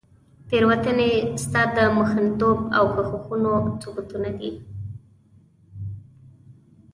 تیروتنې ستا د محنتونو او کوښښونو ثبوتونه دي.